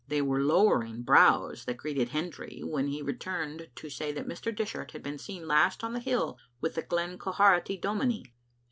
They were lowering brows that greeted Hendry when he returned to say that Mr. Dishart had been seen last on the hill with the Glen Quharity dominie.